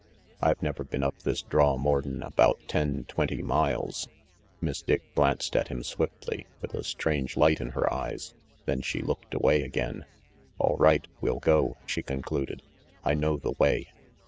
I've never been up this draw more'n about ten twenty miles Miss Dick glanced at him swiftly, with a strange light in her eyes, then she looked away again. "All right, we'll go," she concluded. "I know the way."